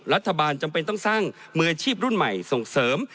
รัฐบาลจำเป็นต้องสร้างมืออาชีพรุ่นใหม่ส่งเสริม